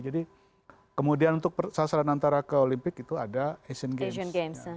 jadi kemudian untuk persasaran antara ke olimpiade itu ada asian games